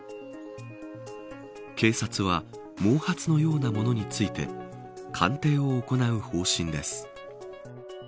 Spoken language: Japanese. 警察は毛髪のようなものについて鑑定を行う方針です。